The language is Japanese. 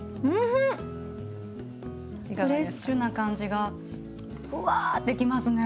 フレッシュな感じがふわってきますね。